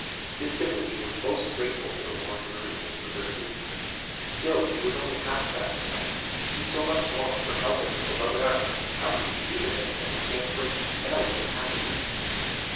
This sympathy was most grateful to the wanderer in his reverses; still he was only half satisfied, he so much longed for help in his beloved art; but how could he speak of it, and perchance break the spell of their happy meeting?